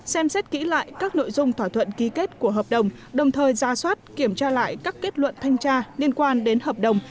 xem xét kỹ lại các nội dung thỏa thuận ký kết của hợp đồng đồng thời ra soát kiểm tra lại các kết luận thanh tra liên quan đến hợp đồng